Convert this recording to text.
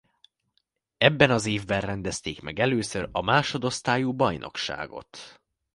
Ebben az évben rendezték meg először a másodosztályú bajnokságot.